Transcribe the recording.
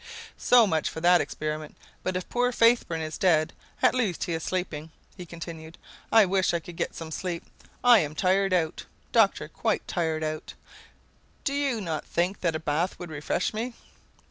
"So much for that experiment. But if poor Faithburn is dead, at least he is sleeping," he continued. "I wish I could get some sleep. I am tired out, Doctor, quite tired out! Do you not think that a bath would refresh me?"